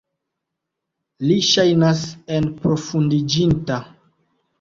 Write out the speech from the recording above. Li ŝajnas enprofundiĝinta.